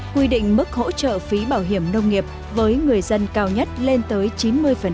quy định mức hỗ trợ phí bảo hiểm nông nghiệp với người dân cao nhất lên tới chín mươi